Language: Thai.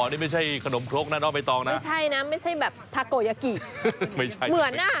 นี่ไม่ใช่ขนมโโรคน่ะเนอะไม่ต้องน่ะไม่ใช่นะไม่ใช่แบบทาโกยักกี้